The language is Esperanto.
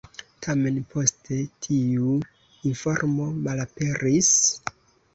Tamen poste tiu informo malaperis.